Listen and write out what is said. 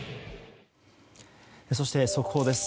そして、速報です。